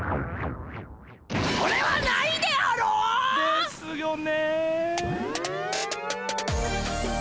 それはないであろ！ですよね。